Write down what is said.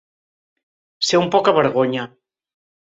Ser un pocavergonya.